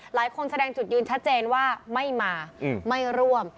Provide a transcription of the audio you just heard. แสดงจุดยืนชัดเจนว่าไม่มาไม่ร่วม